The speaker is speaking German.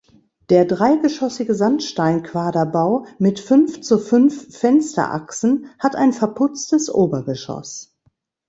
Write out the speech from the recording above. Der dreigeschossige Sandsteinquaderbau mit fünf zu fünf Fensterachsen hat ein verputztes Obergeschoss.